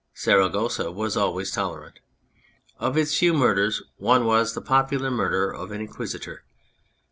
Saragossa was always tolerant ; of its few murders one was the popular murder of an Inquisitor.